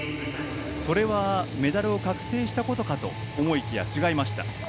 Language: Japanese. それはメダルを確定したことかと思いきや違いました。